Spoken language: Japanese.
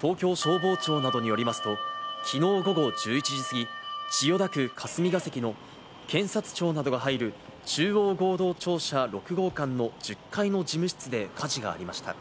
東京消防庁などによりますと、きのう午後１１時過ぎ、千代田区霞が関の検察庁などが入る中央合同庁舎６号館の１０階の事務室で火事がありました。